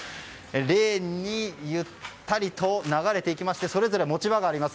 レーンに、ゆったりと流れてきてそれぞれ、持場があります。